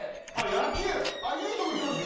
野球いいとこ行ってますよ。